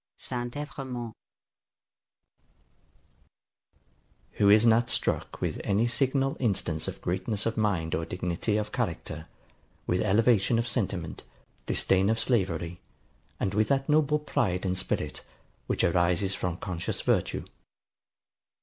ST. EVREMONT.] Who is not struck with any signal instance of greatness of mind or dignity of character; with elevation of sentiment, disdain of slavery, and with that noble pride and spirit, which arises from conscious virtue?